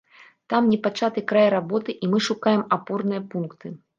Там непачаты край работы, і мы шукаем апорныя пункты.